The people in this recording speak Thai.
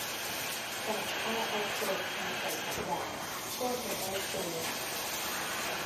แต่ถ้าเอากรดมาใส่กับด่าง ก็จะได้เกลือ